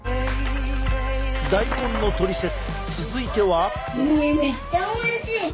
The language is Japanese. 大根のトリセツ続いては。